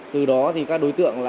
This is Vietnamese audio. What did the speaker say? từ đó thì các đối tượng